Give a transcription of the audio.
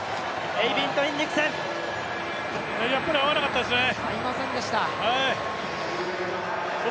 やっぱり合わなかったですね。